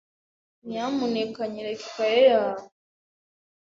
Nyamuneka nyereka ikaye yawe.